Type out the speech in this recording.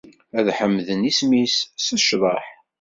Ad ḥemden isem-is s ccḍeḥ.